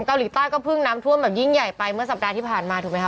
เกาหลีใต้ก็เพิ่งน้ำท่วมแบบยิ่งใหญ่ไปเมื่อสัปดาห์ที่ผ่านมาถูกไหมค